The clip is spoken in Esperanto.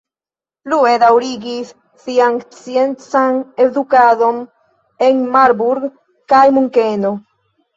Plue daŭrigis sian sciencan edukadon en Marburg kaj Munkeno.